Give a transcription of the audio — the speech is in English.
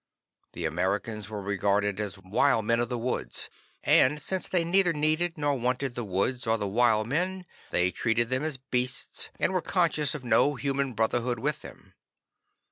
The Americans were regarded as "wild men of the woods." And since they neither needed nor wanted the woods or the wild men, they treated them as beasts, and were conscious of no human brotherhood with them.